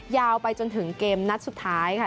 ยาวไปจนถึงเกมนัดสุดท้ายค่ะ